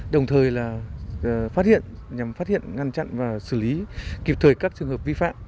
đồng thời là phát hiện nhằm phát hiện ngăn chặn và xử lý kịp thời các trường hợp vi phạm